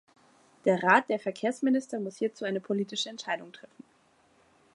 Der Rat der Verkehrsminister muss hierzu eine politische Entscheidung treffen.